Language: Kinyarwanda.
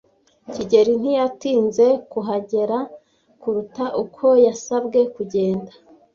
kigeli ntiyatinze kuhagera kuruta uko yasabwe kugenda.